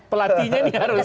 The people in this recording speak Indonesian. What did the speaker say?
pelatihnya ini harus